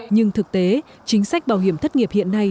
nhưng thực tế chính sách bảo hiểm thất nghiệp hiện nay